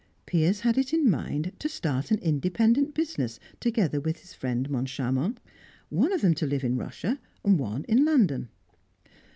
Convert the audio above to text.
Piers had it in mind to start an independent business, together with his friend Moncharmont; one of them to live in Russia, one in London.